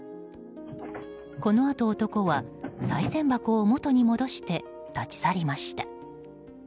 このあと、男はさい銭箱を元に戻して、立ち去りました。